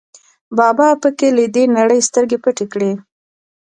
بابا په کې له دې نړۍ سترګې پټې کړې.